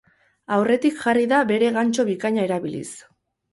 Aurretik jarri da bere gantxo bikaina erabiliz.